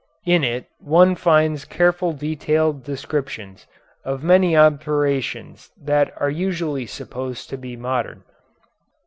In it one finds careful detailed descriptions of many operations that are usually supposed to be modern.